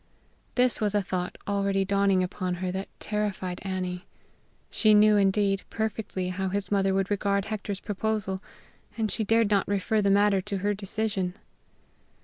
This was a thought already dawning upon her that terrified Annie; she knew, indeed, perfectly how his mother would regard Hector's proposal, and she dared not refer the matter to her decision.